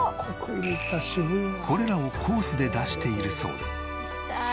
これらをコースで出しているそうで。